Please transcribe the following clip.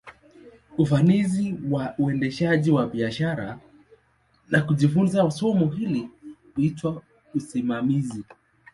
Ufanisi wa uendeshaji wa biashara, na kujifunza somo hili, huitwa usimamizi.